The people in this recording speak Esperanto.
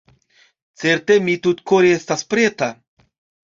Certe mi tutkore estas preta.